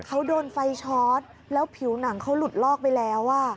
เขาโดนไฟช็อตแล้วผิวหนังเขาหลุดลอกไปแล้ว